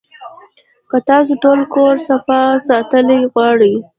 کۀ تاسو ټول کور صفا ساتل غواړئ